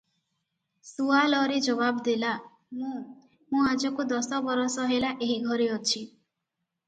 ସୁଆଲରେ ଜବାବ ଦେଲା - "ମୁଁ, ମୁଁ ଆଜକୁ ଦଶବରଷ ହେଲା ଏହି ଘରେ ଅଛି ।